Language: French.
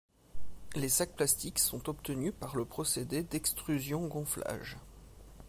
Les sacs plastiques sont obtenus par le procédé d'extrusion-gonflage.